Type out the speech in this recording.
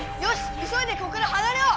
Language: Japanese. いそいでここからはなれよう！